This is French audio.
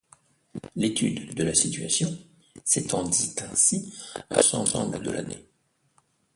L'étude de la situation s'étendit ainsi à l'ensemble de l'année.